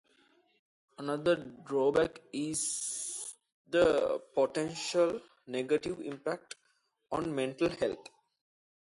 Another drawback is the potential negative impact on mental health.